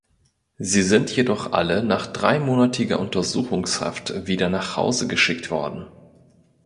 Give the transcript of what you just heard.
Sie sind jedoch alle nach dreimonatiger Untersuchungshaft wieder nach Hause geschickt worden.